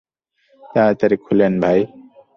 তাড়াতাড়ি খোলেন ভাই।